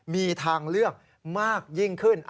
มีทางเลือกมากยิ่งขึ้น